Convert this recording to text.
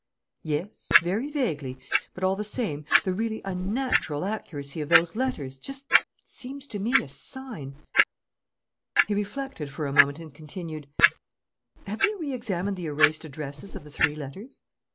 "Yes, very vaguely, but, all the same, the really unnatural accuracy of those letters just seems to me a sign " He reflected for a moment and continued: "Have they reëxamined the erased addresses of the three letters?"